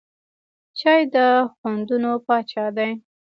چای د خوندونو پاچا دی.